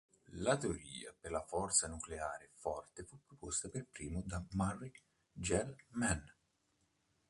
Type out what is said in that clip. La teoria per la forza nucleare forte fu proposta per primo da Murray Gell-Mann.